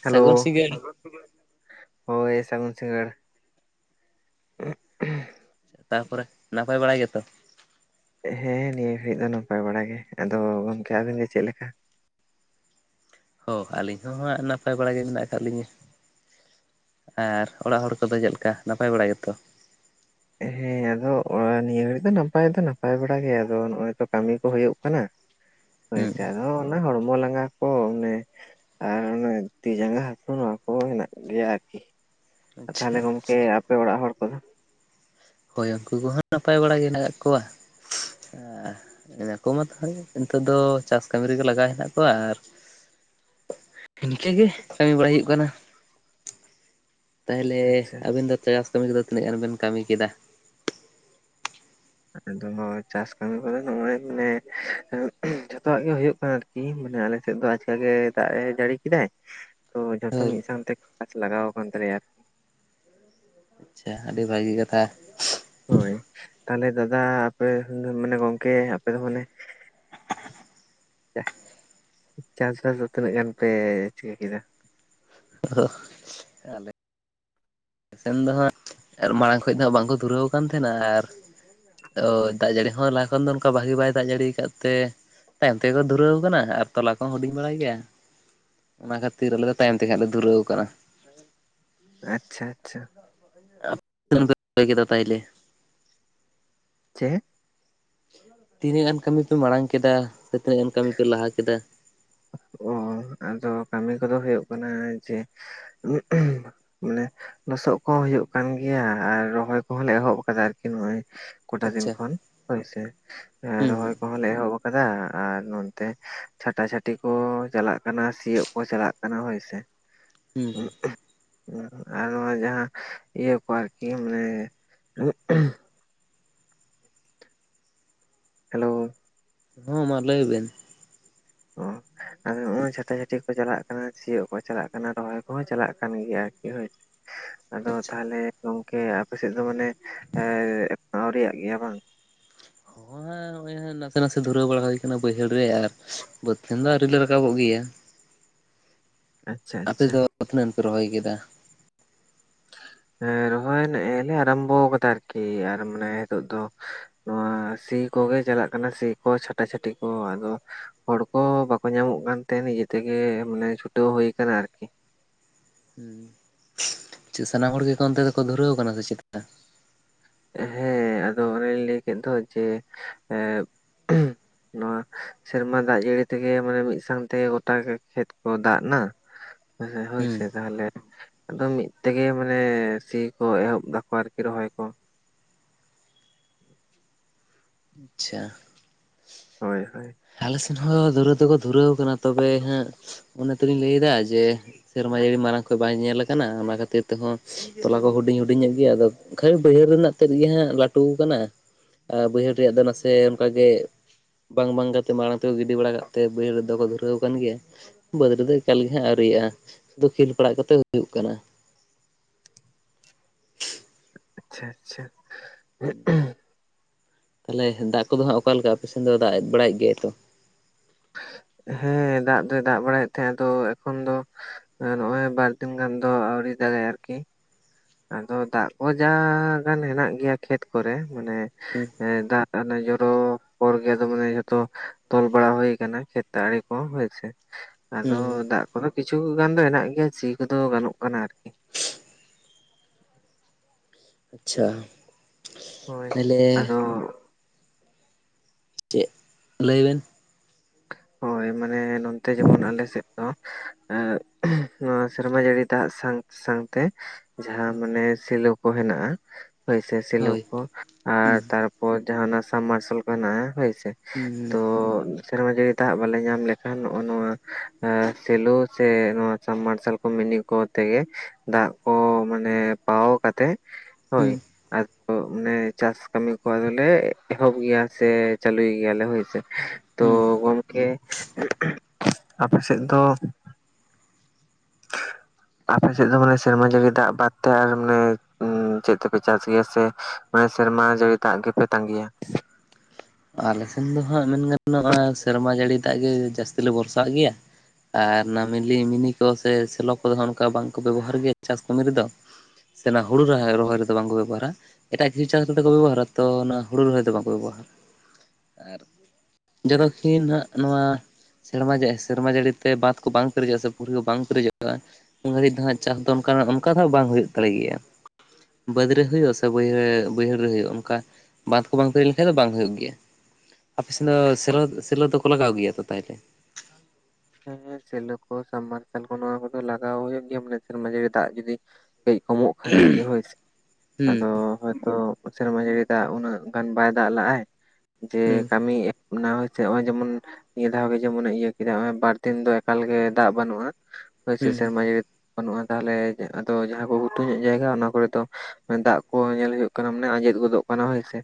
ᱥᱟᱹᱜᱩᱱ ᱦᱮᱞᱳ ᱥᱤᱸᱜᱟᱹᱲ ᱦᱳᱭ ᱥᱟᱹᱜᱩᱱ ᱥᱤᱸᱜᱟᱹᱲ? ᱛᱟᱯᱚᱨᱮ ᱱᱟᱯᱟᱭ ᱵᱟᱲᱟ ᱜᱮᱛᱚ? ᱦᱮᱸ ᱱᱤᱭᱟᱹ ᱜᱷᱟᱹᱲᱤᱡ ᱫᱚ ᱱᱟᱯᱟᱭ ᱵᱟᱲᱟ ᱜᱮ᱾ ᱟᱫᱚ ᱜᱚᱢᱠᱮ ᱟᱵᱤᱱ ᱜᱮ ᱪᱮᱫ ᱞᱮᱠᱟ? ᱦᱚᱸ ᱟᱹᱞᱤᱧ ᱦᱚᱸ ᱦᱜ ᱱᱟᱯᱟᱭ ᱵᱟᱲᱟ ᱜᱮ ᱢᱮᱱᱟᱜ ᱟᱠᱟᱫ ᱞᱤᱧᱟᱹ᱾ ᱟᱨ ᱚᱲᱟᱜ ᱦᱚᱲ ᱠᱚᱫᱚ ᱪᱮᱫ ᱞᱮᱠᱟ, ᱱᱟᱯᱟᱭ ᱵᱟᱲᱟ ᱜᱮᱛᱚ? ᱦᱮᱸ ᱟᱫᱚ ᱱᱤᱭᱟᱹ ᱜᱷᱟᱹᱲᱤᱡ ᱫᱚ ᱱᱟᱯᱟᱭ ᱫᱚ ᱱᱟᱯᱟᱭ ᱵᱟᱲᱟ ᱜᱮᱭᱟ, ᱟᱫᱚ ᱱᱚᱜ ᱚᱭ ᱛᱚ ᱠᱟᱹᱢᱤ ᱠᱚ ᱦᱳᱭᱳᱜ ᱠᱟᱱᱟ᱾ ᱦᱩᱸ ᱦᱳᱭᱛᱮ ᱟᱫᱚ ᱚᱱᱟ ᱦᱚᱲᱢᱚ ᱞᱟᱸᱜᱟ ᱠᱚ ᱚᱱᱮ ᱟᱨ ᱚᱱᱮ ᱛᱤ ᱡᱟᱸᱜᱟ ᱦᱟᱹᱥᱩ, ᱱᱚᱣᱟ ᱠᱚᱦᱚᱸ ᱦᱮᱱᱟᱜ ᱜᱮᱭᱟ ᱟᱨᱠᱤ᱾ ᱛᱟᱦᱚᱞᱮ ᱟᱪᱪᱷᱟ ᱜᱚᱝᱠᱮ ᱟᱯᱮ ᱚᱲᱟᱜ ᱦᱚᱲ ᱠᱚᱫᱚ? ᱦᱳᱭ ᱩᱱᱠᱩ ᱠᱚᱦᱚᱸ ᱱᱟᱯᱟᱭ ᱵᱟᱲᱟ ᱜᱮ, ᱦᱮᱱᱟᱜ ᱠᱟᱜ ᱠᱚᱣᱟ ᱟᱨ ᱤᱹᱱᱟᱠᱚ ᱢᱟ ᱛᱟᱦᱞᱮ ᱱᱤᱛᱳᱜ ᱫᱚ ᱪᱟᱥ ᱠᱟᱹᱢᱤ ᱨᱮᱜᱮ ᱞᱟᱜᱟᱣ ᱦᱮᱱᱟᱜ ᱠᱚᱣᱟ, ᱟᱨ ᱤᱱᱠᱟᱹ ᱜᱮ ᱠᱟᱹᱢᱤ ᱵᱟᱲᱟᱭ ᱦᱳᱭᱩᱜ ᱠᱟᱱᱟ ᱾ ᱛᱟᱦᱚᱞᱮ ᱟᱪᱪᱷᱟ ᱟᱵᱤᱱ ᱫᱚ ᱪᱟᱥ ᱠᱟᱹᱢᱤ ᱠᱚᱫᱚ, ᱛᱤᱱᱟᱹᱜ ᱜᱟᱱ ᱵᱮᱱ ᱠᱟᱹᱢᱤ ᱠᱮᱫᱟ? ᱟᱫᱚ ᱪᱟᱥ ᱠᱟᱹᱢᱤ ᱠᱚᱫᱚ ᱱᱚᱜᱼᱚᱭ ᱢᱟᱱᱮ, ᱡᱷᱚᱛᱚᱣᱟᱜ ᱜᱮ ᱦᱳᱭᱩᱜ ᱠᱟᱱᱟ ᱟᱨᱠᱤ᱾ ᱪᱮᱫ ᱤᱧ ᱢᱮᱱᱟ ᱟᱞᱮ ᱥᱮᱫ ᱫᱚ ᱟᱪᱠᱟ ᱜᱮ ᱫᱟᱜ ᱮ ᱡᱟᱹᱲᱤ ᱠᱮᱫᱟᱭ᱾ ᱛᱚ ᱡᱷᱚᱛᱚ ᱦᱳᱭ ᱢᱤᱫ ᱥᱟᱶᱛᱮ ᱪᱟᱥ ᱞᱟᱜᱟᱣ ᱟᱠᱟᱱ ᱛᱟᱞᱮᱭᱟ ᱾ ᱦ [inaudible] ᱟᱪᱪᱷᱟ ᱟᱹᱰᱤ ᱵᱷᱟᱹᱜᱤ ᱠᱟᱛᱷᱟ ᱾ ᱦᱳᱭ ᱛᱟᱦᱞᱮ ᱫᱟᱫᱟ ᱟᱯᱮ ᱢᱟᱱᱮ ᱜᱚᱝᱠᱮ ᱟᱯᱮ ᱫᱚ ᱢᱟᱱᱮ ᱪᱟᱥᱵᱟᱥ ᱫᱚ ᱛᱤᱱᱟᱹᱜ ᱜᱟᱱ ᱯᱮ ᱪᱤᱠᱟᱹ ᱠᱮᱫᱟ? ᱦ [unintelligible] ᱥᱮᱱ ᱫᱚ ᱦᱟᱸᱜ ᱢᱟᱲᱟᱝ ᱠᱷᱚᱡ ᱫᱚ, ᱦᱟᱜ ᱵᱟᱝᱠᱚ ᱫᱷᱩᱨᱟᱹᱣ ᱠᱟᱱ ᱛᱟᱦᱮᱱᱟ, ᱟᱨᱼᱼ ᱚ ᱫᱟᱜ ᱡᱟᱹᱲᱤ ᱦᱚᱸ ᱞᱟᱦᱟ ᱠᱷᱚᱱ ᱫᱚ, ᱚᱱᱠᱟ ᱵᱷᱟᱜᱤ ᱵᱟᱭ ᱫᱟᱜ ᱡᱟᱹᱲᱤ ᱠᱟᱫ ᱛᱮ ᱛᱟᱭᱚᱢ ᱛᱮᱜᱮᱠᱚ ᱫᱷᱩᱨᱟᱹᱣ ᱠᱟᱱᱟ, ᱟᱨ ᱛᱚᱞᱟ ᱠᱚᱦᱚᱸ ᱦᱩᱰᱤᱧ ᱵᱟᱲᱟᱭ ᱜᱮᱭᱟ ᱾ ᱚᱱᱟ ᱠᱷᱟᱹᱛᱤᱨ ᱟᱞᱮ ᱫᱚᱸᱛᱟᱭᱚᱢ ᱛᱮ, ᱠᱷᱟᱱ ᱞᱮ ᱫᱷᱩᱨᱟᱹᱣ ᱠᱟᱱᱟ ᱾ ᱟᱪᱪᱷᱟ, ᱟᱪᱪᱷᱟ᱾ ᱛᱤᱱᱟᱹᱜ ᱜᱟᱱ ᱯᱮ ᱨᱚᱦᱚᱭ ᱠᱮᱫᱟ ᱛᱟᱭᱞᱮ? ᱪᱮ? ᱛᱤᱱᱟᱹᱜ ᱜᱟᱱ ᱠᱟᱹᱢᱤ ᱯᱮ, ᱢᱟᱲᱟᱝ ᱠᱮᱫᱟ ᱥᱮ ᱛᱤᱱᱟᱹᱜ ᱜᱟᱱ ᱠᱟᱹᱢᱤ ᱯᱮ ᱞᱟᱦᱟ ᱠᱮᱫᱟ? ᱚ ᱟᱫᱚ ᱠᱟᱹᱢᱤ ᱠᱚᱫᱚ ᱦᱳᱭᱳᱜ ᱠᱟᱱᱟ, ᱡᱮᱼᱼ ᱢᱟᱱᱮ ᱞᱚᱥᱚᱫ ᱠᱚᱦᱚᱸ ᱦᱳᱭᱳᱜ ᱠᱟᱱ ᱜᱮᱭᱟ, ᱟᱨ ᱨᱚᱦᱚᱭ ᱠᱚᱦᱚᱸᱞᱮ ᱮᱦᱚᱵ ᱠᱟᱫᱟ ᱟᱨᱠᱤ ᱱᱚᱜᱼᱚᱭ ᱠᱚᱴᱟ ᱫᱤᱱ ᱟᱪᱪᱷᱟ ᱠᱷᱚᱱ᱾ ᱦᱳᱭᱥᱮ ᱦᱩᱸ ᱨᱚᱦᱚᱭ ᱦᱩᱸ ᱠᱚᱦᱚᱸ ᱞᱮ ᱮᱦᱚᱵ ᱠᱟᱫᱟ, ᱟᱨ ᱱᱚᱛᱮ ᱪᱷᱟᱴᱟᱪᱷᱟᱴᱤᱼᱼ ᱪᱷᱟᱴᱤ ᱠᱚ ᱪᱟᱞᱟᱜ ᱠᱟᱱᱟ, ᱥᱤᱭᱳᱚᱜ ᱠᱚ ᱪᱟᱞᱟᱜ ᱠᱟᱱᱟ ᱦᱳᱭᱥᱮ᱾ ᱦᱩᱸ, ᱦᱩᱸ᱾ ᱟᱨ ᱱᱚᱣᱟ ᱡᱟᱦᱟᱸ ᱤᱭᱟᱹ ᱠᱚ ᱟᱨᱠᱤ ᱢᱟᱱᱮ ᱦᱮᱞᱳ, ᱦᱚᱸ ᱢᱟ ᱞᱟᱹᱭᱵᱤᱱ? ᱦᱚ ᱟᱫᱚ ᱱᱚᱜᱚᱭ ᱪᱷᱟᱴᱼ ᱪᱷᱟᱹᱴᱤᱤᱠ ᱠᱚ ᱪᱟᱞᱟᱜ ᱠᱟᱱᱟ, ᱥᱤᱭᱳᱜ ᱠᱚ ᱪᱟᱞᱟᱜ ᱠᱟᱱᱟ, ᱨᱚᱦᱚᱭ ᱠᱚᱦᱚᱸ ᱪᱟᱞᱟᱜ ᱠᱟᱱ ᱜᱮᱭᱟ ᱟᱨᱠᱤ ᱦᱳᱭ ᱾ ᱟᱫᱚ ᱟᱪᱪᱷᱟ ᱛᱟᱦᱞᱮ ᱜᱚᱝᱠᱮ ᱟᱯᱮ ᱥᱮᱫ ᱫᱚ ᱢᱟᱱᱮ ᱟᱹᱣᱨᱤᱭᱟᱜ ᱜᱮᱭᱟ ᱵᱟᱝ? ᱦᱚᱸ ᱦᱮᱸ ᱱᱚᱜᱼᱚᱭ ᱱᱟᱥᱮ ᱱᱟᱥᱮ ᱫᱷᱩᱨᱟᱹᱣ ᱵᱟᱲᱟ ᱦᱳᱭ ᱠᱟᱱᱟ, ᱵᱟᱹᱭᱦᱟᱹᱲ ᱨᱮ ᱟᱨᱼᱼ ᱵᱟᱹᱛ ᱠᱷᱚᱱ ᱫᱚ ᱟᱹᱣᱨᱤ ᱞᱮ, ᱨᱟᱠᱟᱵᱚᱜ ᱜᱮᱭᱟ ᱼᱼ ᱟᱪᱪᱷᱟ ᱟᱯᱮ ᱟᱪᱪᱷᱟ ᱫᱚ ᱛᱤᱱᱟᱹᱜ ᱜᱟᱱ ᱯᱮ ᱨᱚᱦᱚᱭ ᱠᱮᱫᱟ? ᱦᱮᱸ ᱨᱚᱦᱚᱭ ᱱᱮᱼᱮ ᱞᱮ ᱟᱨᱟᱢᱵᱚ ᱠᱟᱫᱟ, ᱟᱨᱠᱤ ᱟᱨ ᱢᱟᱱᱮ ᱱᱤᱛᱚᱜ ᱫᱚᱼᱼ ᱱᱚᱣᱟ ᱥᱤ ᱠᱚᱜᱮ ᱪᱟᱞᱟᱜ ᱠᱟᱱᱟ, ᱥᱤ ᱠᱚ ᱪᱷᱟᱴᱟᱪᱷᱟᱴᱤ ᱠᱚ ᱟᱫᱚᱼᱼ ᱦᱚᱲᱠᱚ ᱵᱟᱠᱚ ᱧᱟᱢᱚᱜ ᱠᱟᱱ ᱛᱟᱦᱮᱸ, ᱱᱤᱡᱮ ᱛᱮᱜᱮ ᱢᱟᱱᱮ ᱪᱷᱩᱴᱟᱹᱣ ᱦᱳᱭ ᱠᱟᱱᱟ ᱟᱨᱠᱤ᱾ ᱦᱩᱸ, ᱥᱟᱱᱟᱢ ᱦᱚᱲ ᱜᱮᱠᱚ ᱚᱱᱛᱮ ᱫᱚᱠᱚ ᱫᱷᱩᱨᱟᱹᱣ ᱟᱠᱟᱱᱟ ᱥᱮ ᱪᱮᱫᱟ? ᱦᱮᱸ ᱟᱫᱚ ᱚᱱᱮᱧ ᱞᱟᱹᱭ ᱠᱮᱫ ᱫᱚ ᱡᱮᱼ ᱮᱼᱼ ᱱᱚᱣᱟ ᱥᱮᱨᱢᱟ ᱫᱟᱜ ᱡᱟᱹᱲᱤ ᱛᱮᱜᱮ ᱢᱟᱱᱮ ᱢᱤᱫ ᱥᱟᱶ ᱛᱮᱜᱮ ᱜᱚᱴᱟ ᱠᱷᱮᱛ ᱠᱚ ᱫᱟᱜ ᱮᱱᱟ ᱾ ᱦᱮ ᱦᱩᱸ ᱦᱳᱭᱥᱮ ᱛᱟᱦᱚᱞᱮ ᱼᱼ ᱟᱫᱚ ᱢᱤᱫ ᱛᱮᱜᱮ ᱢᱟᱱᱮ ᱥᱤ ᱠᱚ ᱮᱦᱚᱵ ᱟᱠᱟᱫᱟ ᱠᱚ ᱟᱨᱠᱤ ᱨᱚᱦᱚᱭ ᱠᱚᱼᱼ ᱟᱪᱪᱷᱟ ᱦᱳᱭ ᱦᱳᱭ ᱟᱞᱮ ᱥᱮᱱ ᱦᱚᱸ ᱫᱷᱩᱨᱟᱹᱣ ᱫᱚᱠᱚ ᱫᱷᱩᱨᱟᱹᱣ ᱠᱟᱱᱟ ᱛᱚᱵᱮ ᱦᱟᱜᱼᱼ ᱚᱱᱟ ᱛᱮᱞᱤᱧ ᱞᱟᱹᱭᱫᱟ ᱡᱮ ᱥᱮᱨᱢᱟ ᱡᱟᱹᱲᱤ ᱢᱟᱨᱟᱝ ᱠᱷᱚᱱᱚᱡ ᱵᱟᱭ ᱧᱮᱞ ᱟᱠᱟᱱᱟ ᱚᱱᱟ ᱠᱷᱟᱹᱛᱤᱨ ᱛᱮᱦᱚᱸᱼᱼ ᱛᱚᱞᱟ ᱠᱚ ᱦᱩᱰᱤᱧ ᱦᱩᱰᱤᱧᱚᱜ ᱜᱮᱭᱟ ᱟᱫᱚ ᱠᱷᱟᱹᱞᱤ ᱵᱟᱹᱭᱦᱟᱹᱲ ᱨᱮᱱᱟᱜ ᱛᱮᱫ ᱜᱮ ᱦᱟᱸᱜ ᱞᱟᱹᱴᱩ ᱟᱠᱟᱱᱟᱼᱼ ᱮ ᱵᱟᱹᱭᱦᱟᱹᱲ ᱨᱮᱭᱟᱜ ᱫᱚ ᱱᱟᱥᱮ ᱚᱱᱠᱟᱜ ᱜᱮ ᱵᱟᱝ ᱵᱟᱝ ᱠᱟᱛᱮ ᱛᱮ ᱢᱟᱲᱟᱝ ᱛᱮ ᱜᱤᱰᱤ ᱵᱟᱲᱟ ᱠᱟᱜ ᱛᱮ ᱵᱟᱹᱭᱦᱟᱹᱲ ᱨᱮᱫᱚᱠᱚ ᱫᱷᱩᱨᱟᱹᱣ ᱠᱟ‌ᱱ ᱜᱮᱭᱟ ᱵᱟᱹᱫᱽ ᱨᱮ ᱫᱚ ᱮᱠᱟᱞ ᱜᱮ ᱦᱟᱸᱜ ᱟᱳᱨᱤᱣᱟᱭ-ᱟ ᱥᱩᱫᱩ ᱠᱷᱮᱞ ᱯᱟᱲᱟᱜ ᱠᱟᱛᱮᱜ ᱦᱩᱭᱩᱜ ᱠᱟᱱᱟ ᱟᱪᱷᱟ ᱟᱪᱷᱟ ᱛᱟᱦᱚᱞᱮ ᱫᱟᱜ ᱠᱚᱫᱚ ᱦᱟᱸᱜ ᱚᱠᱟᱞᱮᱠᱟ ᱟᱯᱮ ᱥᱮᱱ ᱫᱚ ᱫᱟᱜ ᱵᱟᱲᱟᱭᱮᱫ ᱜᱮᱭᱟᱭ ᱛᱚ ᱦᱮᱸ ᱫᱟᱜ ᱫᱚᱭ ᱫᱟᱜ ᱵᱟᱲᱟᱭᱮᱫ ᱛᱟᱦᱮᱸᱫ ᱫᱚ ᱮᱠᱷᱚᱱ ᱫᱚ ᱱᱚᱭ ᱵᱟᱨᱫᱤᱱ ᱜᱟᱱ ᱫᱚ ᱟᱣᱨᱤ ᱫᱟᱹᱜᱟᱭ ᱟᱨᱠᱤ ᱟᱫᱚ ᱫᱟᱜ ᱠᱚ ᱡᱟᱜᱟᱱ ᱦᱮᱱᱟ ᱜᱮᱭᱟ ᱠᱷᱮᱛ ᱠᱚᱨᱮ ᱢᱟᱱᱮ ᱦᱩᱸ ᱦᱮᱸ ᱫᱟᱜ ᱟ ᱫᱚᱭ ᱡᱚᱨᱚ ᱯᱚᱨ ᱜᱮ ᱫᱚ ᱢᱟᱱᱮ ᱡᱚᱛᱚ ᱛᱚᱞ ᱵᱟᱲᱟ ᱦᱩᱭ ᱠᱟᱱᱟᱭ ᱠᱷᱮᱛ ᱟᱲᱮ ᱠᱚ ᱦᱳᱭ ᱥᱮ ᱟᱫᱚ ᱦᱩᱸ ᱫᱟᱜ ᱠᱚᱫᱚ ᱠᱤᱪᱷᱩ ᱜᱟᱱ ᱫᱚ ᱦᱮᱱᱟᱜ ᱜᱮᱭᱟ ᱥᱤ ᱠᱚᱫᱚ ᱜᱟᱱᱚᱜ ᱠᱟᱱᱟ ᱟᱨᱠᱤ ᱟᱪᱷᱟ ᱦᱳᱭ ᱟᱫᱚ ᱪᱮᱫ ᱞᱟᱹᱭ ᱵᱮᱱ ᱦᱳᱭ ᱢᱟᱱᱮ ᱱᱚᱱᱛᱮ ᱡᱮᱢᱚᱱ ᱟᱞᱮ ᱥᱮᱫ ᱫᱚ ᱮᱸ ᱦᱷᱩᱸ ᱱᱚᱣᱟ ᱥᱮᱨᱢᱟ ᱡᱟᱹᱲᱤ ᱫᱟᱜ ᱥᱟᱶ ᱥᱟᱶ ᱛᱮ ᱡᱟᱦᱟᱸ ᱢᱟᱱᱮ ᱥᱤᱞᱳ ᱠᱚ ᱦᱮᱱᱟᱜᱼᱟ ᱦᱳᱭ ᱥᱮ ᱥᱤᱞᱩ ᱦᱳᱭ ᱠᱚ ᱟᱨ ᱦᱩᱸ ᱛᱟᱨ ᱦᱳᱭ ᱡᱟᱦᱟᱱᱟᱜ ᱡᱟᱦᱱᱟᱜ ᱱᱟᱞᱢᱟᱨᱥᱟᱞ ᱠᱚ ᱦᱮᱱᱟᱜᱼᱟ ᱦᱳᱭᱥᱮ ᱛᱚ ᱦᱩᱸ ᱥᱮᱨᱢᱟ ᱡᱟᱲᱤ ᱫᱟᱜ ᱵᱟᱝᱞᱮ ᱧᱟᱢ ᱞᱮᱠᱷᱟᱱ ᱱᱚᱜ ᱱᱚᱣᱟ ᱟᱸ ᱥᱮᱞᱩ ᱥᱮ ᱱᱚᱣᱟ ᱥᱟᱯ ᱢᱟᱨᱥᱟᱞ ᱢᱤᱱᱤ ᱠᱚ ᱛᱮᱜᱮ ᱫᱟᱜ ᱠᱚ ᱢᱟᱱᱮ ᱯᱟᱣ ᱠᱟᱛᱮᱜ ᱦᱳᱭ ᱦᱩᱸ ᱟᱫᱚ ᱢᱟᱱᱮ ᱪᱟᱥ ᱠᱟᱢᱤ ᱠᱚ ᱟᱫᱚᱞᱮ ᱮᱦᱚᱵ ᱜᱮᱭᱟ ᱥᱮ ᱪᱟᱞᱩᱭ ᱜᱮᱭᱟ ᱞᱮ ᱦᱳᱭ ᱥᱮ ᱦᱩᱸ ᱠᱮ ᱦᱩᱸᱩᱸ ᱟᱯᱮ ᱥᱮᱫ ᱫᱚ ᱟᱯᱮ ᱥᱮᱫ ᱫᱚ ᱵᱚᱞᱮ ᱥᱮᱨᱢᱟ ᱡᱟᱲᱤ ᱫᱟᱜ ᱵᱟᱫᱛᱮ ᱟᱨ ᱢᱟᱱᱮ ᱩᱸ ᱪᱮᱫ ᱛᱮᱯᱮ ᱪᱟᱥ ᱜᱮᱭᱟ ᱥᱮ ᱥᱮᱨᱢᱟ ᱡᱟᱲᱤ ᱫᱟᱜ ᱜᱮᱯᱮ ᱛᱟᱸᱜᱤᱭᱟ ᱟᱞᱮ ᱥᱮᱱ ᱫᱚ ᱦᱟᱸᱜ ᱢᱮᱱ ᱜᱟᱱᱚᱜᱼᱟ ᱥᱮᱨᱢᱟ ᱡᱟᱲᱤ ᱫᱟᱜ ᱜᱮ ᱡᱟᱥᱛᱤ ᱞᱮ ᱵᱷᱚᱨᱥᱟᱣᱟᱜ ᱜᱮᱭᱟ ᱟᱨ ᱚᱱᱟ ᱢᱤᱞᱤ ᱢᱤᱱᱤ ᱠᱚ ᱥᱮ ᱥᱮᱞᱚ ᱠᱚᱫᱚ ᱦᱚᱸᱱᱠᱟ ᱵᱟᱝᱠᱚ ᱵᱮᱵᱚᱦᱟᱨ ᱜᱮᱭᱟ ᱪᱟᱥ ᱠᱟᱹᱢᱤ ᱨᱮᱫᱚ ᱥᱮ ᱚᱱᱟ ᱦᱩᱲᱩ ᱨᱚᱦᱭᱟᱜ ᱨᱚᱦᱚᱭ ᱨᱮᱫᱚ ᱵᱟᱝᱠᱚ ᱵᱮᱵᱚᱦᱟᱨᱟ ᱮᱴᱟᱜ ᱡᱤᱨᱤ ᱪᱟᱥ ᱨᱮᱫᱚᱠᱚ ᱵᱮᱵᱚᱦᱟᱨᱟ ᱛᱚ ᱚᱱᱟ ᱦᱩᱲᱩ ᱨᱚᱦᱚᱭ ᱫᱚ ᱵᱟᱝᱠᱚ ᱵᱮᱵᱚᱦᱟᱨ ᱟᱨ ᱡᱚᱛᱚᱠᱷᱤᱱ ᱦᱟᱸᱜ ᱱᱚᱣᱟ ᱥᱮᱨᱢᱟᱡ ᱥᱮᱨᱢᱟ ᱡᱟᱹᱲᱤᱛᱮ ᱵᱟᱸᱫᱽ ᱠᱚ ᱵᱟᱝ ᱯᱮᱨᱮᱡᱚᱜᱼᱟ ᱥᱮ ᱯᱩᱨᱟ ᱵᱟᱝ ᱯᱮᱨᱮᱡᱚᱜᱼᱟ ᱩᱱ ᱜᱷᱟᱹᱲᱤᱡ ᱫᱚ ᱦᱟᱸᱜ ᱪᱟᱥ ᱫᱚ ᱚᱱᱠᱟ ᱚᱱᱠᱟ ᱫᱚ ᱦᱟᱸᱜ ᱵᱟᱝ ᱦᱩᱭᱩᱜ ᱫᱟᱞᱮ ᱜᱮᱭᱟ ᱵᱟᱹᱫᱽ ᱨᱮ ᱦᱳᱭᱼᱟ ᱥᱮ ᱵᱟᱹᱭᱦ ᱵᱟᱹᱭᱦᱟᱹᱲ ᱨᱮ ᱦᱳᱭᱼᱟ ᱚᱱᱠᱟ ᱵᱟᱸᱫᱽ ᱠᱚ ᱵᱟᱝ ᱦᱩᱭ ᱞᱮᱱᱠᱷᱟᱱᱡ ᱫᱚ ᱵᱟᱝ ᱦᱩᱭᱩᱜ ᱜᱮᱭᱟ ᱟᱯᱮ ᱥᱮᱱ ᱫᱚ ᱥᱮᱞᱳᱫ ᱥᱮᱞᱳᱫᱚᱠᱚ ᱞᱟᱜᱟᱣ ᱜᱮᱭᱟ ᱛᱚ ᱛᱟᱦᱚᱞᱮ ᱦᱮᱸ ᱥᱮᱞᱳ ᱠᱚ ᱥᱟᱞᱢᱟᱨᱥᱟᱞ ᱠᱚ ᱱᱚᱣᱟ ᱠᱚᱫᱚ ᱞᱟᱜᱟᱣ ᱦᱩᱭᱩᱜ ᱜᱮᱭᱟ ᱢᱟᱱᱮ ᱥᱮᱨᱢᱟ ᱡᱟᱹᱲᱤ ᱫᱟᱜ ᱡᱩᱫᱤ ᱠᱟᱹᱡ ᱠᱚᱢᱚᱜ ᱠᱷᱟᱱ ᱟᱨᱠᱤ ᱦᱳᱭᱥ᱾ ᱦᱩᱸ ᱟᱫᱚ ᱦᱚᱭᱛᱚ ᱚᱛ ᱥᱮᱨᱢᱟ ᱡᱟᱹᱲᱤ ᱩᱱᱟᱹᱜ ᱜᱟᱱ ᱵᱟᱭ ᱫᱟᱜ ᱞᱟᱜᱟᱭ ᱡᱮ ᱦᱩᱸ ᱠᱟᱹᱢᱤ ᱮᱦᱚᱵᱮᱱᱟ ᱦᱳᱭ ᱥᱮ ᱱᱚᱜᱼᱚᱭ ᱡᱮᱢᱚᱱ ᱱᱤᱭᱟᱹ ᱫᱷᱟᱣ ᱜᱮ ᱡᱮᱢᱚᱱᱮ ᱤᱭᱟᱹ ᱠᱮᱫᱟ ᱱᱚᱜ-ᱚᱭ ᱵᱟᱨ ᱫᱤᱱ ᱫᱚ ᱮᱠᱟᱞ ᱜᱮ ᱫᱟᱜ ᱵᱟᱹᱱᱩᱜᱼᱟ ᱦᱳᱭ ᱥᱮ ᱦᱩᱸ ᱥᱮᱨᱢᱟ ᱡᱟᱹᱲᱤ ᱵᱟᱹᱱᱩᱜᱼᱟ ᱛᱟᱦᱚᱞᱮ ᱟᱫᱚ ᱡᱟᱦᱟᱸ ᱠᱚ ᱜᱷᱩᱴᱩ ᱧᱚᱜ ᱡᱟᱭᱜᱟ ᱚᱱᱟ ᱠᱚᱨᱮ ᱫᱚ ᱫᱟᱜ ᱠᱚ ᱧᱮᱞ ᱦᱩᱭᱩᱜ ᱠᱟᱱᱟ ᱢᱟᱱᱮ ᱟᱸᱡᱮᱫ ᱜᱚᱫᱚᱜ ᱠᱟᱱᱟ ᱦᱳᱭᱥᱮ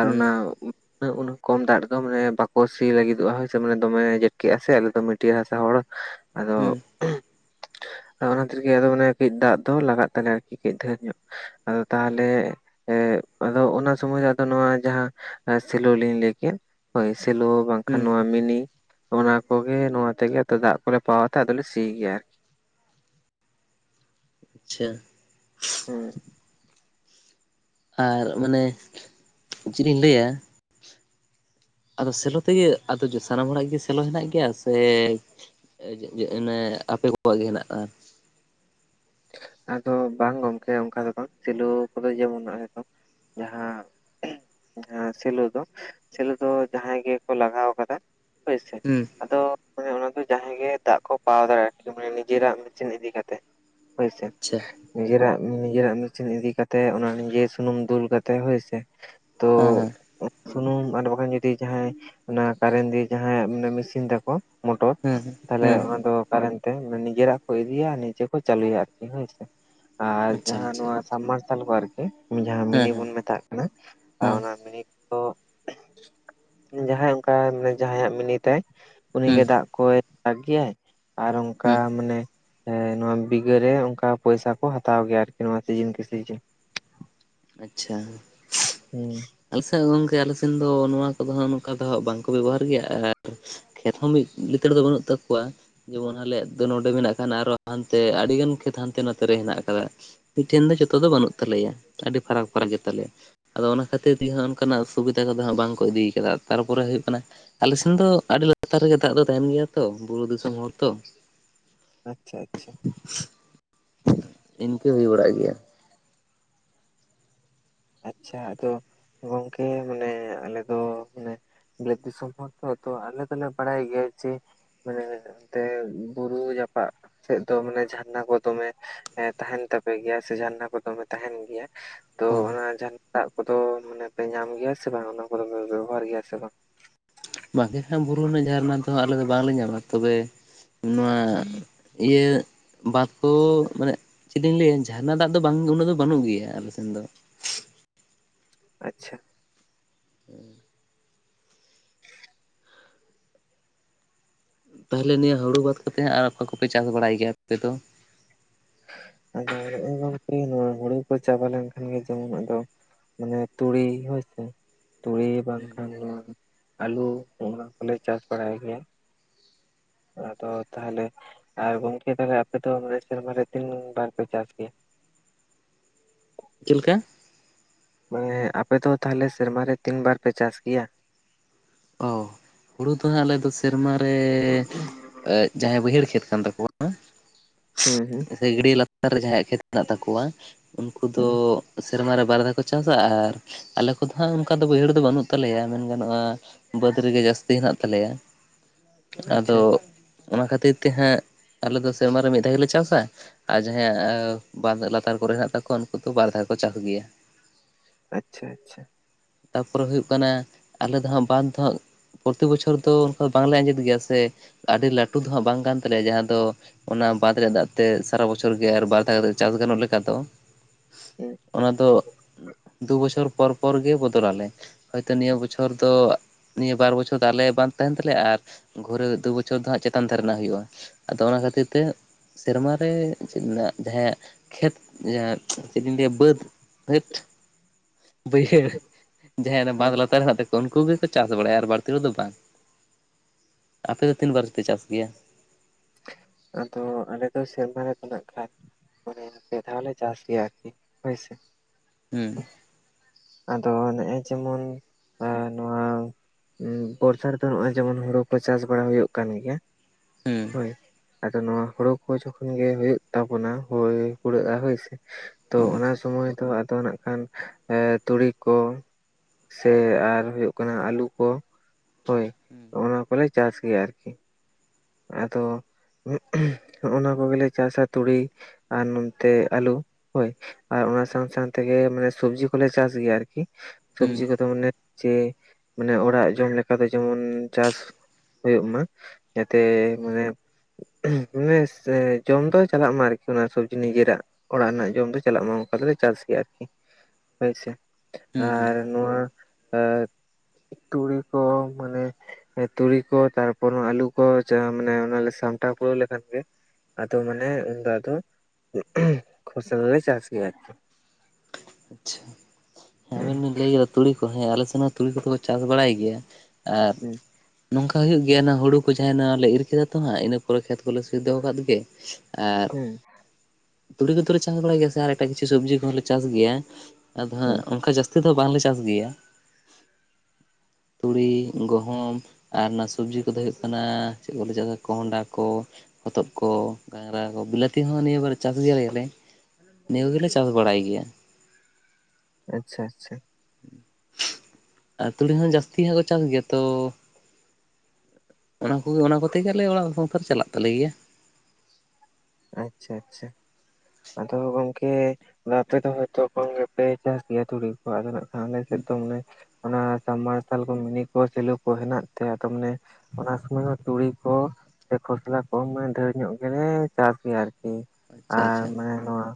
ᱟᱨ ᱦᱩᱸ ᱚᱱᱟ ᱩᱱᱟᱜ ᱠᱚᱢ ᱫᱟᱜ ᱫᱚ ᱢᱟᱱᱮ ᱵᱟᱠᱚ ᱥᱤ ᱞᱟᱹᱜᱤᱫᱚᱜᱼᱟ ᱦᱳᱭ ᱥᱮ ᱢᱟᱱᱮ ᱫᱚᱢᱮ ᱡᱮᱴᱠᱮᱜ-ᱟ ᱥᱮ ᱟᱞᱮ ᱫᱚ ᱢᱟᱴᱭᱟᱹᱲ ᱦᱟᱥᱟ ᱦᱚᱲ ᱦᱩᱸ ᱦᱩᱸ ᱚᱱᱟ ᱠᱷᱟᱛᱤᱨ ᱜᱮ ᱟᱫᱚ ᱚᱱᱮ ᱠᱟᱹᱡ ᱫᱟᱜ ᱫᱚ ᱞᱟᱜᱟᱫ ᱛᱟᱞᱮᱭᱟ ᱟᱨᱠᱤ ᱰᱷᱮᱨ ᱧᱚᱜ᱾ ᱟᱫᱚ ᱛᱟᱦᱚᱞᱮ ᱮ ᱟᱫᱚ ᱚᱱᱟ ᱥᱚᱢᱚᱭ ᱦᱚᱸ ᱟᱫᱚ ᱱᱚᱣᱟ ᱡᱟᱦᱟᱸ ᱥᱮᱞᱳ ᱞᱤᱱ ᱞᱟᱹᱭᱠᱮᱫ, ᱦᱳᱭ ᱥᱮᱞᱳ ᱵᱟᱝᱠᱷᱟᱱ ᱦᱩᱸ ᱱᱚᱣᱟ ᱢᱤᱱᱤ ᱚᱱᱟ ᱠᱚᱜᱮ ᱱᱚᱣᱟ ᱛᱮᱜᱮ ᱛᱚ ᱫᱟᱜ ᱠᱚᱞᱮ ᱯᱟᱣᱟᱭ ᱛᱮ ᱟᱫᱚᱞᱮ ᱥᱤ ᱜᱮᱭᱟ᱾ ᱟᱪᱪᱷᱟ ᱦᱩᱸ ᱟᱨ ᱢᱟᱱᱮ ᱪᱮᱫ ᱤᱧ ᱞᱟᱹᱭᱟ ᱟᱫᱚ ᱥᱮᱞᱚ ᱛᱮᱜᱮ, ᱟᱫᱚ ᱥᱟᱱᱟᱢ ᱦᱚᱲᱟᱜ ᱜᱮ ᱥᱮᱞᱚ ᱦᱮᱱᱟᱜ ᱜᱮᱭᱟ ᱥᱮ ᱚᱱᱮ ᱟᱯᱮ ᱠᱚᱣᱟᱜ ᱜᱮ ᱦᱮᱱᱟᱜ ᱠᱟᱜᱼᱟ? ᱟᱫᱚ ᱵᱟᱝ ᱜᱚᱝᱠᱮ ᱚᱱᱠᱟ ᱫᱚ ᱵᱟᱝ, ᱥᱤᱞᱩ ᱠᱚᱫᱚ ᱡᱮᱢᱚᱱ [unintelligible] ᱡᱟᱦᱟᱸ, ᱡᱟᱦᱟᱸ ᱥᱮᱞᱳ ᱫᱚ ᱥᱮᱞᱳ ᱫᱚ ᱡᱟᱦᱟᱸᱭ ᱜᱮᱠᱚ ᱞᱟᱜᱟᱣ ᱟᱠᱟᱫᱟ ᱦᱳᱭ ᱥᱮ ᱦᱮᱸ ᱟᱫᱚ ᱚᱱᱮ ᱚᱱᱟ ᱫᱚ ᱡᱟᱦᱟᱸᱭ ᱜᱮ ᱫᱟᱜ ᱠᱚ ᱯᱟᱣᱟᱭ ᱫᱟᱲᱮᱭᱟᱜᱼᱟ ᱟᱨᱠᱤ ᱢᱟᱱᱮ ᱱᱤᱡᱮᱨᱟᱜ ᱢᱮᱥᱤᱱ ᱤᱫᱤ ᱠᱟᱛᱮ᱾ ᱦᱳᱭ ᱥᱮ ᱟᱪᱪᱷᱟ ᱱᱤᱡᱮᱨᱟᱜ, ᱱᱤᱡᱮᱨᱟᱜ ᱢᱤᱥᱤᱱ ᱤᱫᱤ ᱠᱟᱛᱮᱜ ᱚᱱᱟ ᱱᱤᱡᱮ ᱥᱩᱱᱩᱢ ᱫᱩᱞ ᱠᱟᱛᱮ ᱦᱳᱭᱥᱮ᱾ ᱛᱚ ᱦᱮᱸ ᱥᱩᱱᱩᱢ ᱟᱨ ᱵᱟᱠᱷᱟᱡ ᱡᱩᱫᱤ ᱡᱟᱦᱟᱸᱭ ᱚᱱᱟ ᱠᱟᱨᱮᱱᱴ ᱫᱤᱭᱮ ᱡᱟᱦᱟᱸᱭᱟᱜ ᱢᱟᱱᱮ ᱢᱤᱥᱤᱱ ᱛᱟᱠᱚ ᱢᱚᱴᱚᱨ, ᱦᱮᱸ ᱦᱮᱸ ᱛᱟᱦᱚᱞᱮ ᱦᱮᱸ ᱚᱱᱟ ᱫᱚ ᱠᱟᱨᱮᱱᱴ ᱛᱮ ᱱᱤᱡᱮᱨᱟᱜ ᱠᱚ ᱤᱫᱤᱭᱟ ᱱᱤᱡᱮ ᱠᱚ ᱪᱟᱹᱞᱩᱭᱟ ᱟᱨᱠᱤ ᱦᱳᱭᱥᱮ, ᱟᱨ ᱟᱪᱪᱷᱟ ᱡᱟᱦᱟᱸ ᱟᱪᱪᱷᱟ ᱱᱚᱣᱟ ᱥᱟᱨᱢᱟᱨᱥᱟᱞ ᱠᱚ ᱟᱨᱠᱤ ᱡᱟᱦᱟᱸ ᱦᱮᱸ ᱢᱤᱱᱤ ᱦᱮᱸ ᱵᱚᱱ ᱢᱮᱛᱟᱜ ᱠᱟᱱᱟ ᱦᱮᱸ ᱚᱱᱟ ᱢᱤᱱᱤ ᱛᱚ, ᱡᱟᱦᱟᱸᱭ ᱚᱱᱠᱟᱭ ᱡᱟᱦᱟᱸᱭᱟᱜ ᱢᱤᱱᱤ ᱛᱟᱭ ᱦᱮᱸ ᱩᱱᱤᱜᱮ ᱫᱟᱜ ᱠᱚᱭ ᱟᱜᱩᱭᱟᱭ ᱟᱨ ᱦᱮᱸ ᱚᱱᱠᱟ ᱢᱟᱱᱮ ᱱᱚᱣᱟ ᱵᱤᱜᱷᱟᱹ ᱨᱮ ᱚᱱᱠᱟ ᱯᱚᱭᱥᱟ ᱠᱚ ᱦᱟᱛᱟᱣ ᱜᱮᱭᱟ ᱟᱨᱠᱤ ᱱᱚᱣᱟ ᱥᱤᱡᱤᱱ ᱠᱮ ᱥᱤᱡᱤᱱ᱾ ᱟᱪᱪᱷᱟ ᱦᱮᱸ ᱟᱞᱮ ᱥᱮᱫ ᱜᱚᱝᱠᱮ ᱟᱞᱮ ᱥᱮᱱ ᱫᱚ ᱱᱚᱣᱟ ᱠᱚᱫᱚ ᱦᱟᱸᱜ ᱱᱚᱝᱠᱟ ᱫᱚ ᱦᱟᱸᱜ ᱵᱟᱝᱠᱚ ᱵᱮᱵᱚᱦᱟᱨ ᱜᱮᱭᱟ ᱟᱨ ᱠᱷᱮᱛ ᱦᱚᱸ ᱢᱤᱫ ᱞᱤᱛᱟᱹᱲ ᱫᱚ ᱵᱟᱹᱱᱩᱜ ᱛᱟᱠᱚᱣᱟ᱾ ᱡᱮᱢᱚᱱ ᱟᱞᱮᱭᱟᱜ ᱫᱚ ᱱᱚᱸᱰᱮ ᱢᱮᱱᱟᱜ ᱠᱷᱟᱱ ᱟᱨᱚ ᱦᱟᱱᱛᱮ ᱟᱹᱰᱤᱜᱟᱱ ᱠᱷᱮᱛ ᱦᱟᱱᱛᱮ ᱱᱟᱛᱮ ᱨᱮ ᱦᱮᱱᱟᱜ ᱟᱠᱟᱫᱟ᱾ ᱢᱤᱫᱴᱷᱮᱱ ᱫᱚ ᱡᱚᱛᱚ ᱫᱚ ᱵᱟᱹᱱᱩᱜ ᱛᱟᱞᱮᱭᱟ ᱟᱹᱰᱤ ᱯᱷᱟᱨᱟᱠ ᱯᱷᱟᱨᱟᱠ ᱜᱮᱛᱟᱞᱮᱭᱟ ᱾ ᱟᱫᱚ ᱚᱱᱟ ᱠᱷᱟᱹᱛᱤᱨ ᱜᱮ ᱦᱟᱸᱜ ᱚᱱᱠᱟᱱᱟᱜ ᱥᱩᱵᱤᱫᱟ ᱠᱚᱫᱚ ᱦᱟᱸᱜ ᱵᱟᱝ ᱠᱚ ᱤᱫᱤᱭ ᱠᱟᱫᱟ ᱛᱟᱨᱯᱚᱨᱮ ᱦᱩᱭᱩᱜ ᱠᱟᱱᱟ ᱟᱞᱮᱥᱮᱱ ᱫᱚ ᱟᱹᱰᱤ ᱞᱟᱛᱟᱨ ᱨᱮᱜᱮ ᱫᱟᱜ ᱫᱚ ᱛᱟᱦᱮᱸᱱ ᱜᱮᱭᱟ ᱛᱚ ᱵᱩᱨᱩ ᱫᱤᱥᱚᱢ ᱦᱚᱲ ᱛᱚ ᱾ ᱟᱪᱪᱷᱟ ᱟᱪᱪᱷᱟ ᱤᱱᱠᱟᱹ ᱦᱩᱭ ᱵᱟᱲᱟᱜ ᱜᱮᱭᱟ ᱾ ᱟᱪᱪᱷᱟ ᱟᱫᱚ ᱜᱚᱝᱠᱮ ᱢᱟᱱᱮ ᱟᱞᱮ ᱫᱚ ᱢᱟᱱᱮ ᱵᱤᱞᱟᱹᱛ ᱫᱤᱥᱚᱢ ᱦᱚᱲ ᱛᱚ, ᱛᱚ ᱟᱞᱮ ᱫᱚᱞᱮ ᱵᱟᱲᱟᱭ ᱜᱮᱭᱟ ᱡᱮ ᱢᱟᱱᱮ ᱚᱱᱛᱮ ᱵᱩᱨᱩ ᱡᱟᱯᱟᱜ ᱥᱮᱫ ᱫᱚ ᱢᱟᱱᱮ ᱡᱷᱟᱨᱱᱟ ᱠᱚ ᱫᱚᱢᱮ ᱮᱸ ᱛᱟᱦᱮᱸᱱ ᱛᱟᱯᱮ ᱜᱮᱭᱟ ᱥᱮ ᱡᱷᱟᱨᱱᱟ ᱠᱚ ᱫᱚᱢᱮ ᱛᱟᱦᱮᱸᱱ ᱜᱮᱭᱟ ᱾ ᱛᱚ ᱦᱚᱸ ᱚᱱᱟ ᱡᱷᱟᱱᱟ ᱫᱟᱜ ᱠᱚᱫᱚ ᱢᱟᱱᱮ ᱯᱮ ᱧᱟᱢ ᱜᱮᱭᱟ ᱥᱮ ᱵᱟᱝ ᱚᱱᱟ ᱠᱚᱫᱚ ᱯᱮ ᱵᱮᱵᱚᱦᱟᱨ ᱜᱮᱭᱟ ᱥᱮ ᱵᱟᱝ? [unintelligible] ᱵᱩᱨᱩ ᱨᱮᱱᱟᱜ ᱡᱷᱟᱨᱱᱟ ᱫᱚᱦᱚᱸ ᱟᱞᱮ ᱫᱚ ᱵᱟᱝᱞᱮ ᱧᱟᱢᱟ ᱛᱚᱵᱮ ᱱᱚᱣᱟ ᱤᱭᱟᱹ ᱵᱟᱫᱽ ᱾ ᱛᱳ ᱢᱟᱱᱮ ᱪᱮᱫ ᱤᱧ ᱞᱟᱹᱭᱟ ᱡᱷᱟᱨᱱᱟ ᱫᱟᱜ ᱫᱚ ᱵᱟᱝ ᱩᱱᱟᱹᱜ ᱫᱚ ᱵᱟᱹᱱᱩᱜ ᱜᱮᱭᱟ ᱟᱞᱮ ᱥᱮᱱ ᱫᱚ ᱾ ᱟᱪᱪᱷᱟ, [inaudible] ᱛᱟᱞᱦᱮ ᱱᱤᱭᱟᱹ ᱦᱩᱲᱩ ᱵᱟᱫᱽ ᱠᱟᱛᱮᱜ ᱦᱟᱸᱜ ᱟᱨ ᱚᱠᱟ ᱠᱚᱯᱮ ᱪᱟᱥ ᱵᱟᱲᱟᱭ ᱜᱮᱭᱟ ᱟᱯᱮ ᱫᱚ? ᱟᱫᱚ ᱜᱚᱝᱠᱮ ᱱᱚᱣᱟ ᱦᱩᱲᱩ ᱠᱚ ᱪᱟᱵᱟ ᱞᱮᱱᱠᱷᱟᱱ ᱜᱮ ᱡᱮᱢᱚᱱ ᱟᱫᱚ ᱾ ᱢᱟᱱᱮ ᱛᱩᱲᱤ ᱦᱳᱭ ᱥᱮ ᱛᱩᱲᱤ ᱦᱩᱸ ᱵᱟᱝᱠᱷᱟᱱ ᱱᱚᱣᱟ ᱾ ᱟᱹᱞᱩ ᱚᱱᱟ ᱠᱚᱞᱮ ᱪᱟᱥ ᱵᱟᱲᱟᱭ ᱜᱮᱭᱟ ᱾ ᱟᱫᱚ ᱛᱟᱦᱟᱞᱮ ᱟᱨ ᱜᱚᱝᱠᱮ ᱛᱟᱞᱮ ᱟᱯᱮ ᱫᱚ ᱢᱟᱱᱮ ᱥᱮᱨᱢᱟ ᱨᱮ ᱛᱤᱱ ᱵᱟᱨ ᱯᱮ ᱪᱟᱥ ᱜᱮᱭᱟ? ᱪᱤᱞᱠᱟ? ᱢᱟᱱᱮ ᱟᱯᱮ ᱫᱚ ᱛᱟᱦᱞᱮ ᱥᱮᱨᱢᱟ ᱨᱮ ᱛᱤᱱ ᱵᱟᱨ ᱯᱮ ᱪᱟᱥ ᱜᱮᱭᱟ? ᱚ ᱦᱩᱲᱩ ᱫᱚ ᱦᱟᱸᱜ ᱟᱞᱮᱫᱚ ᱥᱮᱨᱢᱟ ᱨᱮ ᱡᱟᱦᱟᱸᱭ ᱵᱟᱹᱭᱦᱟᱹᱲ ᱠᱷᱮᱛ ᱠᱟᱱ ᱛᱟᱠᱚᱣᱟ ᱾ [inaudible] ᱦᱩᱸ ᱦᱩᱸ, [unintelligible] ᱞᱟᱛᱟᱨ ᱨᱮ ᱡᱟᱦᱟᱸᱭᱟᱜ ᱠᱷᱮᱛ ᱢᱮᱱᱟᱜ ᱛᱟᱠᱚᱣᱟ ᱩᱱᱠᱩ ᱫᱚ ᱦᱩᱸ ᱥᱮᱨᱢᱟ ᱨᱮ ᱵᱟᱨ ᱫᱷᱟᱣ ᱠᱚ ᱾ ᱪᱟᱥ ᱪᱟᱥᱟ ᱟᱨ ᱟᱞᱮ ᱠᱚᱫᱚ ᱦᱟᱸᱜ ᱚᱱᱠᱟ ᱫᱚ ᱵᱟᱹᱭᱦᱟᱹᱲ ᱫᱚ ᱵᱟᱹᱱᱩᱜ ᱛᱟᱞᱮᱭᱟ ᱢᱮᱱ ᱜᱟᱱᱚᱜᱼᱟ ᱾ ᱵᱟᱹᱫᱽ ᱨᱮᱜᱮ ᱡᱟᱹᱥᱛᱤ ᱦᱮᱱᱟᱜ ᱛᱟᱞᱮᱭᱟ ᱟᱪᱪᱷᱟ ᱟᱫᱚ ᱚᱱᱟ ᱠᱷᱟᱹᱛᱤᱨ ᱛᱮ ᱦᱟᱸᱜ ᱟᱞᱮᱫᱚ ᱥᱮᱨᱢᱟᱨᱮ ᱢᱤᱫ ᱫᱷᱟᱣ ᱜᱮᱞᱮ ᱪᱟᱥᱟ ᱾ ᱟᱨ ᱡᱟᱦᱟᱸᱭᱟᱜ ᱵᱟᱹᱫᱽ ᱞᱟᱛᱟᱨ ᱠᱚᱨᱮ ᱦᱮᱱᱟᱜ ᱛᱟᱠᱚᱣᱟ ᱩᱱᱠᱩ ᱫᱚ ᱵᱟᱨ ᱫᱷᱟᱣ ᱠᱚ ᱪᱟᱥ ᱜᱮᱭᱟ ᱾ ᱟᱪᱪᱷᱟ ᱟᱪᱪᱷᱟ, ᱛᱟᱯᱚᱨᱮ ᱦᱩᱭᱩᱜ ᱠᱟᱱᱟ ᱟᱞᱮ ᱫᱚ ᱦᱟᱸᱜ ᱵᱟᱸᱫᱽ [unintelligible] ᱯᱚᱛᱤ ᱵᱚᱪᱷᱚᱨ ᱫᱚ ᱚᱝᱠᱟ ᱵᱟᱝᱞᱮ ᱟᱸᱡᱮᱫ ᱜᱮᱭᱟ ᱥᱮ ᱟᱹᱰᱤ ᱞᱟᱹᱴᱩ ᱫᱚᱦᱟᱸᱜ ᱵᱟᱝ ᱠᱟᱱ ᱛᱟᱞᱮᱭᱟ ᱡᱟᱦᱟᱸ ᱫᱚ ᱾ ᱚᱱᱟ ᱵᱟᱸᱫᱷ ᱨᱮᱭᱟᱜ ᱫᱟᱜ ᱛᱮ ᱥᱟᱨᱟ ᱵᱚᱪᱷᱚᱨ ᱜᱮ ᱟᱨ ᱵᱟᱨ ᱫᱷᱟᱣ ᱠᱟᱛᱮ ᱪᱟᱥ ᱜᱟᱱᱚᱜ ᱞᱮᱠᱟ ᱫᱚ ᱾ ᱦᱩᱸ ᱚᱱᱟ ᱫᱚ ᱫᱩ ᱵᱚᱪᱷᱚᱨ ᱾ ᱯᱚᱨ ᱯᱚᱨ ᱜᱮ ᱵᱚᱫᱚᱞ ᱟᱞᱮ ᱦᱚᱭᱛᱚ ᱱᱤᱭᱟᱹ ᱵᱚᱪᱷᱚᱨ ᱫᱚ ᱾ ᱱᱤᱭᱟᱹ ᱵᱟᱨ ᱵᱚᱪᱷᱚᱨ ᱫᱚ ᱟᱞᱮ ᱵᱟᱸᱫᱷ ᱛᱟᱦᱮᱱ ᱛᱟᱞᱮᱭᱟ ᱟᱨ ᱜᱷᱚᱨᱮ ᱫᱩ ᱵᱚᱪᱷᱚᱨ ᱫᱚ ᱦᱟᱸᱜ ᱪᱮᱛᱟᱱ ᱫᱷᱟᱨᱮ ᱱᱟᱜ ᱦᱩᱭᱩᱜᱼᱟ ᱾ ᱟᱫᱚ ᱚᱱᱟ ᱠᱷᱟᱹᱛᱤᱨ ᱛᱮ ᱾ ᱥᱮᱨᱢᱟᱨᱮ ᱪᱤᱧ ᱢᱮᱱᱟ ᱡᱟᱦᱟᱸᱭᱟᱜ ᱠᱷᱮᱛ ᱡᱟᱦᱟᱸ ᱪᱮᱫ ᱤᱧ ᱞᱟᱹᱭᱟ ᱵᱟᱹᱫᱽ ᱾ ᱦᱟᱹᱴ ᱵᱟᱹᱭᱦᱟᱹᱲ ᱡᱟᱦᱟᱸᱭ ᱦᱩᱸ ᱵᱟᱸᱫᱽ ᱞᱟᱛᱟᱨ ᱨᱮ ᱦᱮᱱᱟᱜ ᱛᱟᱠᱚᱣᱟ ᱩᱱᱠᱩ ᱜᱮᱠᱚ ᱪᱟᱥ ᱵᱟᱲᱟᱭᱟ ᱟᱨ ᱵᱟᱹᱲᱛᱤ ᱨᱮ ᱫᱚ ᱵᱟᱝ ᱟᱯᱮᱫᱚ ᱛᱤᱱ ᱵᱟᱨ ᱯᱮ ᱪᱟᱥ ᱜᱮᱭᱟ? ᱟᱫᱚ ᱟᱞᱮᱫᱚ ᱥᱮᱨᱢᱟ [unintelligible] ᱠᱷᱟᱱ ᱾ ᱢᱟᱱᱮ ᱯᱮ ᱫᱦᱟᱣ ᱞᱮ ᱪᱟᱥ ᱜᱮᱭᱟ ᱟᱨᱠᱤ ᱦᱳᱭᱥᱮ ᱾ ᱦᱩᱸ ᱟᱫᱚ ᱱᱮᱜᱼᱮ ᱡᱮᱢᱚᱱ ᱮ ᱱᱚᱣᱟ ᱾ ᱵᱚᱨᱥᱟ ᱨᱮᱫᱚ ᱦᱚᱜᱚᱭ ᱡᱮᱢᱚᱱ ᱦᱳᱲᱳ ᱠᱚ ᱪᱟᱥ ᱵᱟᱲᱟ ᱦᱩᱭᱩᱜ ᱠᱟᱱ ᱜᱮᱭᱟ ᱾ ᱦᱩᱸ ᱟᱫᱚ ᱱᱚᱣᱟ ᱦᱳᱲᱳ ᱠᱚ ᱡᱚᱠᱷᱚᱱ ᱜᱮ ᱦᱳᱭᱳᱜ ᱛᱟᱵᱚᱱᱟ ᱦᱚᱭ ᱯᱩᱨᱟᱹᱜᱼᱟ ᱦᱳᱭᱥᱮ ᱾ ᱛᱚ ᱦᱩᱸ ᱚᱱᱟ ᱥᱚᱢᱚᱭ ᱫᱚ ᱟᱫᱚ ᱱᱟᱜ ᱠᱷᱟᱱ ᱾ ᱮᱸ ᱛᱩᱲᱤ ᱠᱚ ᱥᱮ ᱟᱨ ᱦᱩᱭᱩᱜ ᱠᱟᱱᱟ ᱟᱹᱞᱩ ᱠᱚ ᱾ ᱦᱳᱭ ᱚᱱᱟ ᱠᱚᱞᱮ ᱪᱟᱥ ᱜᱮᱭᱟ ᱟᱨᱠᱤ᱾ ᱟᱫᱚ [unintelligible] ᱦᱚᱜ-ᱚᱱᱟ ᱠᱚᱜᱮᱞᱮ ᱪᱟᱥᱟ ᱛᱩᱲᱤ᱾ ᱟᱨ ᱱᱚᱛᱮ ᱟᱞᱩ ᱦᱳᱭ᱾ ᱟᱨ ᱚᱱᱟ ᱥᱟᱶ ᱥᱟᱶ ᱛᱮᱜᱮ ᱢᱟᱱᱮ ᱥᱚᱵᱽᱡᱤ ᱠᱚᱞᱮ ᱪᱟᱥ ᱜᱮᱭᱟ ᱟᱨᱠᱤ᱾ ᱦᱩᱸ ᱥᱚᱵᱡᱤ ᱠᱚᱫᱚ ᱢᱟᱱᱮ ᱡᱮ ᱢᱟᱱᱮ ᱚᱲᱟᱜ ᱡᱚᱢ ᱞᱮᱠᱟᱫᱚ ᱡᱮᱢᱚᱱ ᱪᱟᱥ ᱦᱳᱭᱳᱜ ᱢᱟ᱾ ᱡᱟᱛᱮ ᱦᱩᱸ ᱢᱟᱱᱮ ᱢᱮᱥ ᱥᱮ ᱡᱚᱢ ᱫᱚ ᱪᱟᱞᱟᱜ ᱢᱟ ᱟᱨᱠᱤ ᱚᱱᱟ ᱥᱚᱵᱽᱡᱤ ᱱᱤᱡᱮᱨᱟᱜ᱾ ᱚᱲᱟᱜ ᱨᱮᱱᱟᱜ ᱡᱚᱢ ᱫᱚ ᱪᱟᱞᱟᱜ ᱢᱟ ᱚᱱᱠᱟ ᱫᱚᱞᱮ ᱪᱟᱥ ᱜᱮᱭᱟ ᱟᱨᱠᱤ᱾ ᱦᱳᱭᱥᱮ ᱦᱩᱸ ᱦᱩᱸ ᱟᱨ ᱱᱚᱣᱟ ᱟ ᱛᱩᱲᱤ ᱠᱚ ᱢᱟᱱᱮ ᱛᱩᱲᱤ ᱠᱚ ᱛᱟᱨᱯᱚᱨ ᱱᱚᱣᱟ ᱟᱹᱞᱩ᱾ ᱠᱚ ᱪᱟᱜ-ᱟ ᱢᱟᱱᱮ ᱚᱱᱟᱞᱮ ᱥᱟᱢᱴᱟᱣ ᱠᱩᱲᱟᱹᱣ ᱞᱮᱠᱷᱟᱱ ᱜᱮ᱾ ᱟᱫᱚ ᱢᱟᱱᱮ ᱩᱱᱫᱚ ᱟᱫᱚ ᱠᱷᱚᱥᱚᱞᱟ ᱞᱮ ᱪᱟᱥ ᱜᱮᱭᱟ ᱟᱨᱠᱤ᱾ ᱟᱪᱪᱷᱟ ᱦᱮᱸ ᱟᱵᱮᱱ ᱵᱮᱱ ᱞᱟᱹᱭ ᱠᱮᱫᱟ ᱛ ᱛᱩᱲᱤ ᱠᱚ ᱦᱮᱸ ᱟᱞᱮ ᱥᱮᱱ ᱦᱚ ᱛᱩᱲᱤ ᱠᱚᱫᱚ ᱠᱚ ᱪᱟᱥ ᱵᱟᱲᱟᱭ ᱜᱮᱭᱟ ᱟᱨ ᱦᱩᱸ᱾ ᱱᱚᱝᱠᱟ ᱦᱩᱭᱩᱜ ᱜᱮᱭᱟ ᱱᱟ ᱦᱩᱲᱩ ᱠᱚ ᱡᱟᱦᱟᱸᱭ ᱱᱟ ᱞᱮ ᱤᱨ ᱠᱮᱫᱟ ᱛᱚ ᱦᱟᱜ ᱤᱱᱟᱹ ᱯᱚᱨᱮ ᱠᱷᱮᱛ ᱠᱚᱞᱮ ᱥᱤ ᱫᱚᱦᱚ ᱟᱠᱟᱫ ᱜᱮ᱾ ᱟᱨ ᱦᱮᱸ᱾ ᱛᱩᱲᱤ ᱠᱚᱫᱚᱞᱮ ᱪᱟᱥ ᱵᱟᱲᱟᱭ ᱜᱮᱭᱟ ᱥᱮ ᱟᱨ ᱮᱴᱟᱜ ᱠᱤᱪᱷᱩ ᱥᱚᱵᱽᱡᱤ ᱠᱚᱦᱚᱸ ᱞᱮ ᱪᱟᱥ ᱜᱮᱭᱟ᱾ ᱟᱫᱚ ᱦᱟᱸᱜ ᱦᱮᱸ ᱚᱱᱠᱟ ᱡᱟᱹᱥᱛᱤ ᱛᱤ ᱫᱚ ᱵᱟᱝᱞᱮ ᱪᱟᱥ ᱜᱮᱭᱟ᱾ [inaudible] ᱛᱩᱲᱤ, ᱜᱚᱦᱩᱢ᱾ ᱟᱨ ᱚᱱᱟ ᱥᱚᱵᱽᱡᱤ ᱠᱚᱫᱚ ᱦᱩᱭᱩᱜ ᱠᱟᱱᱟ ᱪᱮᱫ ᱠᱚ ᱞᱟᱭ ᱦᱚᱪᱚ ᱠᱟᱫᱟ ᱠᱚᱸᱦᱰᱟ ᱠᱚ᱾ ᱦᱚᱛᱚᱫ ᱠᱚ, ᱜᱷᱟᱝᱜᱽᱨᱟ ᱠᱚ ᱵᱤᱞᱟᱹᱛᱤ ᱦᱚᱸ ᱱᱤᱭᱟᱹ ᱵᱟᱨ ᱪᱟᱥ ᱜᱮᱭᱟ ᱞᱮ ᱟᱞᱮ᱾ ᱱᱤᱭᱟᱹ ᱠᱚᱜᱮᱞᱮ ᱪᱟᱥ ᱵᱟᱲᱟᱭ ᱜᱮᱭᱟ᱾ ᱟᱪᱪᱷᱟ, ᱟᱪᱪᱷᱟ᱾ ᱟᱨ ᱛᱩᱲᱤ ᱦᱚᱸ ᱡᱟᱹᱥᱛᱤ ᱦᱟᱸᱜ ᱠᱚ ᱪᱟᱥ ᱜᱮᱭᱟ ᱛᱚ ᱚᱱᱟ ᱠᱚᱜᱮ, ᱚᱱᱟ ᱠᱚᱛᱮ ᱜᱮ ᱟᱞᱮᱭᱟᱜ ᱚᱲᱟᱜ ᱥᱚᱝᱥᱟᱨ ᱪᱟᱞᱟᱜ ᱛᱟᱞᱮ ᱜᱮᱭᱟ᱾ ᱟᱪᱪᱷᱟ, ᱟᱪᱪᱷᱟ᱾ ᱟᱫᱚ ᱜᱚᱝᱠᱮ ᱟᱯᱮ ᱫᱚ ᱦᱚᱭᱛᱚ ᱠᱚᱢ ᱜᱮᱯᱮ ᱪᱟᱥ ᱜᱮᱭᱟ ᱛᱩᱲᱤ? ᱟᱫᱚ ᱱᱟᱜᱠᱷᱟᱱ ᱟᱞᱮ ᱥᱮᱫ ᱫᱚ ᱢᱟᱱᱮ ᱚᱱᱟ ᱥᱟᱢ ᱢᱟᱨᱥᱟᱞ ᱠᱚ, ᱢᱤᱱᱤ ᱠᱚ, ᱥᱮᱞᱩ ᱠᱚ ᱦᱮᱱᱟᱜ ᱛᱮ ᱟᱫᱚ ᱢᱟᱱᱮ ᱚᱱᱟ ᱥᱩᱢᱟᱹᱭ ᱦᱚᱸ ᱛᱩᱲᱤ ᱠᱚ ᱥᱮ ᱠᱷᱚᱥᱞᱟ ᱠᱚᱢᱢᱟᱭ ᱰᱷᱮᱨ ᱧᱚᱜ ᱜᱮᱞᱮ ᱪᱟᱥ ᱜᱮᱭᱟ ᱟᱨᱠᱤ ᱟᱪᱪᱷᱟ ᱟᱨ ᱟᱪᱪᱷᱟ ᱢᱟᱱᱮ ᱱᱚᱣᱟ